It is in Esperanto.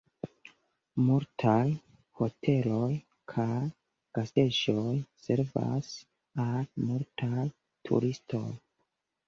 Multaj hoteloj kaj gastejoj servas al multaj turistoj.